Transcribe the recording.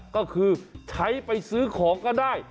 ก็คือใช้ไปซื้อของก็ได้